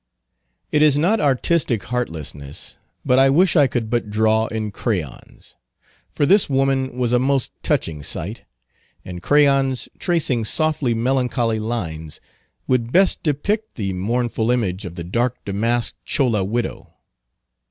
It is not artistic heartlessness, but I wish I could but draw in crayons; for this woman was a most touching sight; and crayons, tracing softly melancholy lines, would best depict the mournful image of the dark damasked Chola widow.